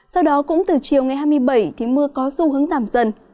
sau đó cũng từ chiều ngày hai mươi bảy thì mưa có xu hướng giảm dần